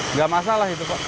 nggak masalah itu kok